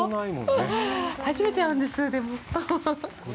初めて会うんです。